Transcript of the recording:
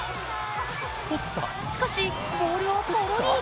しかしボールはぽろり。